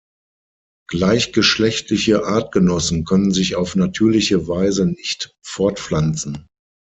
Gleichgeschlechtliche Artgenossen können sich auf natürliche Weise nicht fortpflanzen.